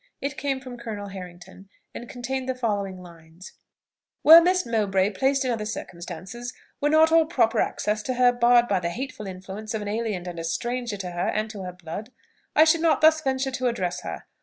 It came from Colonel Harrington, and contained the following lines: "Were Miss Mowbray placed in other circumstances were not all proper access to her barred by the hateful influence of an alien and a stranger to her and to her blood, I should not thus venture to address her.